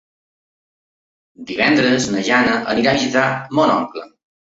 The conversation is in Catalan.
Divendres na Jana anirà a visitar mon oncle.